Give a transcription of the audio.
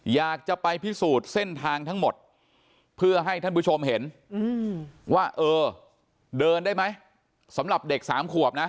อยากจะไปพิสูจน์เส้นทางทั้งหมดเพื่อให้ท่านผู้ชมเห็นว่าเออเดินได้ไหมสำหรับเด็กสามขวบนะ